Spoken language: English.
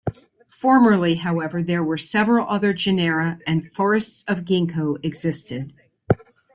Formerly, however, there were several other genera, and forests of ginkgo existed.